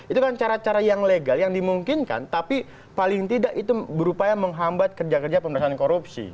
itu kan cara cara yang legal yang dimungkinkan tapi paling tidak itu berupaya menghambat kerja kerja pemerintahan korupsi